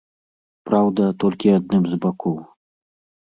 Праўда, толькі адным з бакоў.